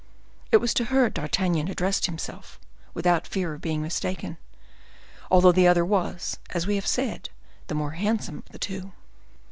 It was to her D'Artagnan addressed himself, without fear of being mistaken, although the other was, as we have said, the more handsome of the two.